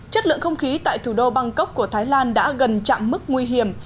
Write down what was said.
chất lượng không khí tại thủ đô bangkok của thái lan đã gần chạm mức nguy hiểm